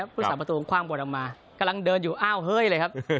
ผู้สาประตูคว่างบอลออกมากำลังเดินอยู่อ้าวเฮ้ยเลยครับ